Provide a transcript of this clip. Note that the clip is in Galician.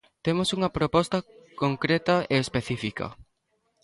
Temos unha proposta concreta e específica.